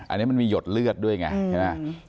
อันนี้มันมีหยดเลือดด้วยไงใช่ไหม